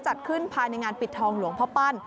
จัดขึ้นภายในงานปิดทองหลวงพ่อปั้น